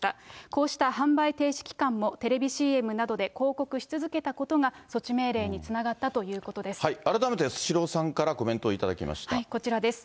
こうした販売停止期間もテレビＣＭなどで広告し続けたことが、措置命令につながったということで改めて、スシローさんからコこちらです。